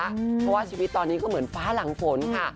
เพราะว่าชีวิตตอนนี้ก็เหมือนฟ้าหลังฝนค่ะ